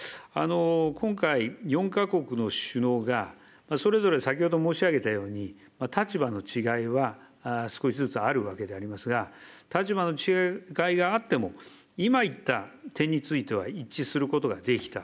今回、４か国の首脳が、それぞれ先ほど申し上げたように、立場の違いは少しずつあるわけでありますが、立場の違いがあっても、今言った点については一致することができた。